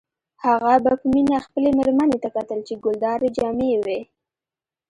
هغه به په مینه خپلې میرمنې ته کتل چې ګلدارې جامې یې وې